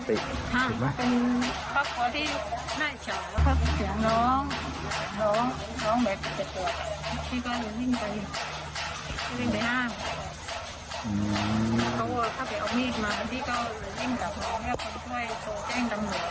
ผู้นายฝังก็เอาที่ปวงอุ่นครัวคือที่ทางที่ขยัน